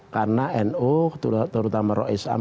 karena nu terutama rok islam